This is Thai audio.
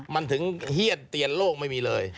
มันถึงเฮียนเตียนโลกไม่มีเลย